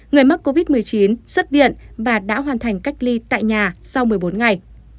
người mắc covid một mươi chín xuất viện và đã hoàn thành cách ly tại nhà sau một mươi bốn ngày